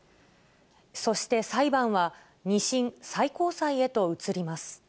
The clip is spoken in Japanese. そして裁判は、２審、最高裁へと移ります。